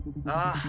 ああ。